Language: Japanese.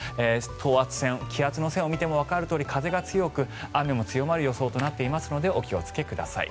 等圧線、気圧の線を見てもわかるとおり、風が強く雨も強まる予想となっていますのでお気をつけください。